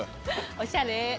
おしゃれ。